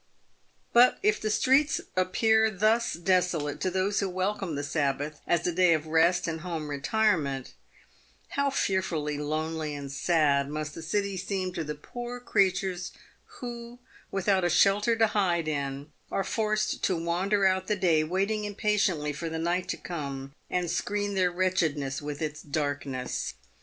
But if the streets appear thus desolate to those who welcome the Sabbath as a day of rest and home retirement — how fearfully lonely and sad must the City seem to the poor creatures who, without a shelter to hide in, are forced to wander out the day, waiting impa tiently for the night to come and screen their wretchedness with its darkness.